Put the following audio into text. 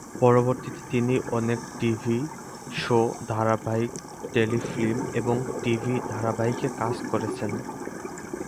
পরবর্তীতে তিনি অনেক টিভি শো, ধারাবাহিক, টেলিফিল্ম এবং টিভি ধারাবাহিকে কাজ করেছেন।